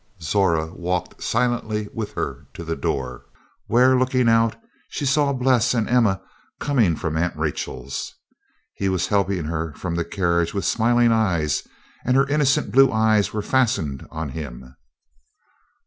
Zora walked silently with her to the door, where, looking out, she saw Bles and Emma coming from Aunt Rachel's. He was helping her from the carriage with smiling eyes, and her innocent blue eyes were fastened on him.